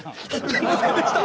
すみませんでした！